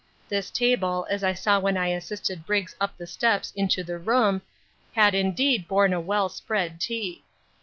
This table, as I saw when I assisted Briggs up the steps into the room, had indeed borne a well spread tea.